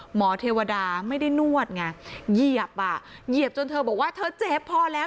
เทวดาไม่ได้นวดไงเหยียบอ่ะเหยียบจนเธอบอกว่าเธอเจ็บพอแล้ว